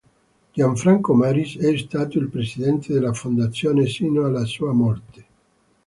Gianfranco Maris è stato il presidente della Fondazione sino alla sua morte.